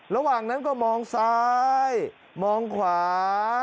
ระหว่างนั้นก็มองซ้ายมองขวา